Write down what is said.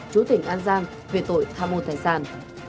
chú tỉnh an giang về tội tham mô tài sản